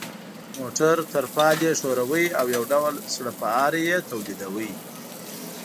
د موټر ترپال یې ښوراوه او یو ډول سړپاری یې تولیداوه.